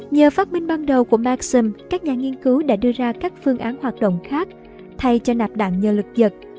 nhờ phát minh ban đầu của maxim các nhà nghiên cứu đã đưa ra các phương án hoạt động khác thay cho nạp đạn nhờ lực dật